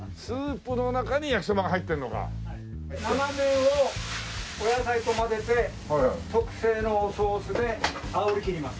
生麺をお野菜と混ぜて特製のソースであおりきります。